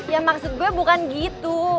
ya maksud gue bukan gitu